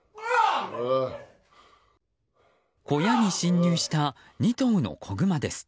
小屋に侵入した２頭の子グマです。